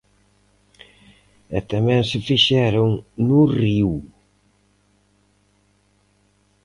E tamén se fixeron no río.